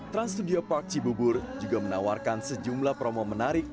trans studio park cibubur juga menawarkan sejumlah promo menarik